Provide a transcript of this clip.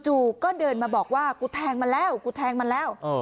จู่ก็เดินมาบอกว่ากูแทงมันแล้ว